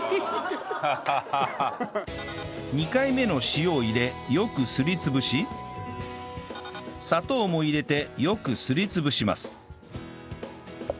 ２回目の塩を入れよくすり潰し砂糖も入れてよくすり潰します